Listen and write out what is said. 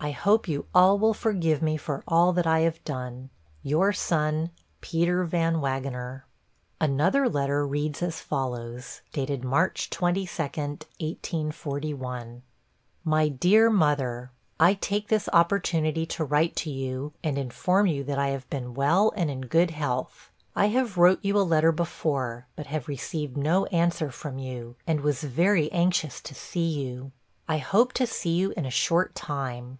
I hope you all will forgive me for all that I have done. 'Your son, PETER VAN WAGENER.' Another letter reads as follows, dated 'March 22, 1841': 'MY DEAR MOTHER: 'I take this opportunity to write to you, and inform you that I have been well and in good health. I have wrote you a letter before, but have received no answer from you, and was very anxious to see you. I hope to see you in a short time.